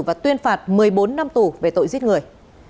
và tuyên phạt một mươi bốn năm tù về tội giết người